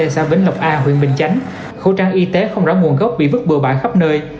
ở xã vĩnh lộc a huyện bình chánh khẩu trang y tế không rõ nguồn gốc bị vứt bừa bãi khắp nơi